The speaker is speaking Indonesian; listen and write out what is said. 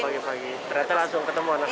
ternyata langsung ketemu anaknya